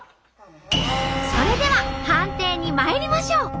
それでは判定にまいりましょう！